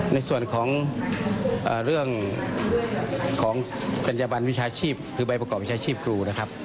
ในส่วนของเรื่องของจัญญบันวิชาชีพคือใบประกอบวิชาชีพครูนะครับ